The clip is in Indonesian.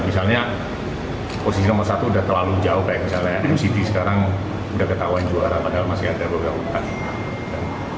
misalnya posisi nomor satu udah terlalu jauh kayak misalnya mcd sekarang udah ketahuan juara padahal masih ada beberapa utang